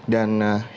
dan hingga kemudian